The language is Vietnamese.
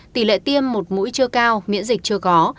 tỷ lệ tiêm một mũi chưa cao miễn dịch chưa có